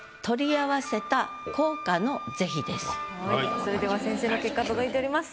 それでは先生の結果届いております。